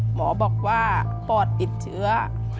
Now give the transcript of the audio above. หมอบอกว่าปอดติดเชื้อ